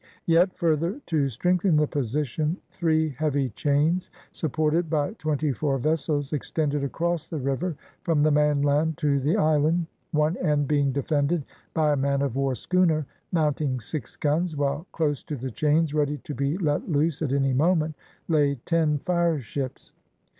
Yet, further to strengthen the position, three heavy chains, supported by twenty four vessels, extended across the river from the main land to the island, one end being defended by a man of war schooner, mounting six guns, while close to the chains, ready to be let loose at any moment, lay ten fireships.